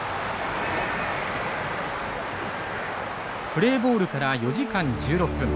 プレーボールから４時間１６分。